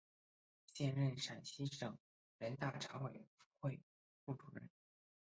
现任陕西省人大常委会副主任。